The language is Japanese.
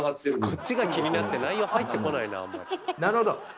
こっちが気になって内容入ってこないなあんまり。